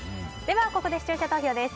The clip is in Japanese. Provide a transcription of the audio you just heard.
ここで視聴者投票です。